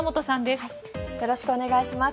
よろしくお願いします。